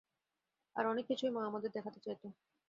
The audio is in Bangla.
আর অনেককিছুই মা আমাদের দেখাতে চাইত।